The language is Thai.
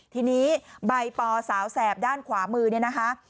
ทีนี้ใบปอสาวแสบด้านขวามือเนี่ยนะคะ